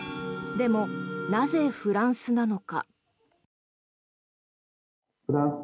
でも、なぜフランスなのか。